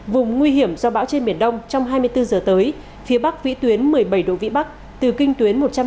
vùng nguy hiểm do bão trên biển đông trong hai mươi bốn h tới phía bắc vĩ tuyến một mươi bảy độ vĩ bắc từ kinh tuyến một trăm linh tám đến một trăm một mươi năm km